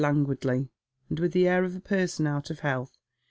languiiily, and with the air of a person out of health.